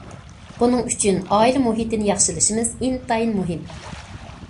بۇنىڭ ئۈچۈن ئائىلە مۇھىتىنى ياخشىلىشىمىز ئىنتايىن مۇھىم.